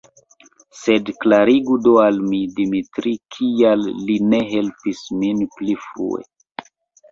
Sed klarigu do al mi, Dimitri, kial li ne helpis min pli frue.